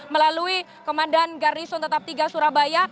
melalui komandan garison tetap tiga surabaya